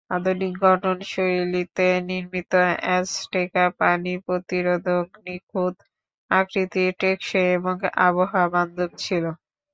আধুনিক গঠনশৈলীতে নির্মিত অ্যাজটেকা পানি প্রতিরোধক, নিখুঁত আকৃতির, টেকসই এবং আবহাওয়াবান্ধব ছিল।